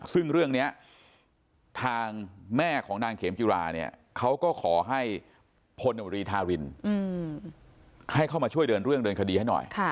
ซึ่งเรื่องนี้ทางแม่ของนางเขมจิราเนี่ยเขาก็ขอให้พลโนรีธารินให้เข้ามาช่วยเดินเรื่องเดินคดีให้หน่อย